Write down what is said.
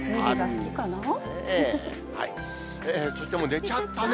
寝ちゃったね。